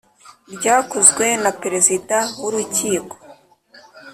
ryakozwe na Perezida w urukiko